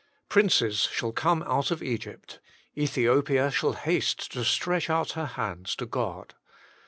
"Princes shall come out of Egypt; Ethiopia shall haste to stretch out her hands to God."